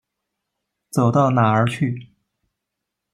走到哪儿去。